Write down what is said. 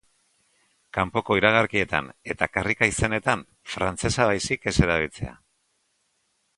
Kanpoko iragarkietan eta karrika izenetan, frantsesa baizik ez erabiltzea.